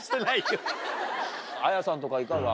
ＡＹＡさんとかいかが？